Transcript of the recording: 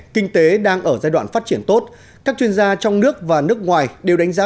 kinh tế đang ở giai đoạn phát triển tốt các chuyên gia trong nước và nước ngoài đều đánh giá